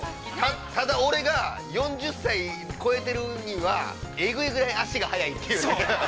◆ただ、俺が４０歳超えているには、えぐいぐらい足が速いというね。